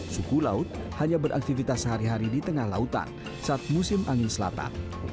suku laut hanya beraktivitas sehari hari di tengah lautan saat musim angin selatan